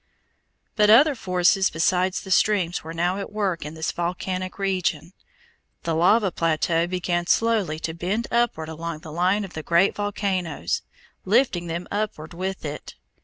But other forces besides the streams were now at work in this volcanic region. The lava plateau began slowly to bend upward along the line of the great volcanoes, lifting them upward with it.